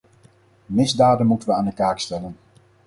Misdaden moeten we aan de kaak stellen.